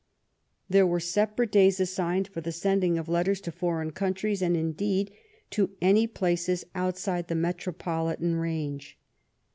There were separate days assigned for the sending of letters to foreign countries, and, indeed, to any places outside the metropolitan range.